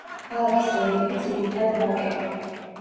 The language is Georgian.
ქალაქის რელიეფი ძირითად ვაკე.